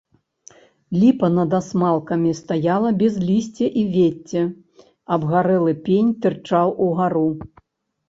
Ліпа над асмалкамі стаяла без лісця і вецця, абгарэлы пень тырчаў угару.